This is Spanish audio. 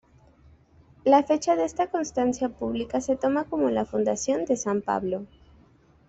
La fecha de esta constancia pública se toma como la fundación de San Pablo.